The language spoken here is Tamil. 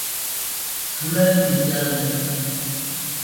சுழல் என்றால் என்ன?